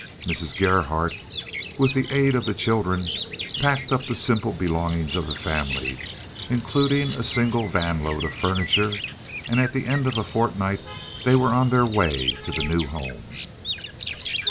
Mrs. Gerhardt, with the aid of the children, packed up the simple belongings of the family, including a single vanload of furniture, and at the end of a fortnight they were on their way to the new home.